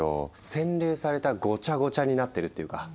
洗練されたごちゃごちゃになってるっていうか。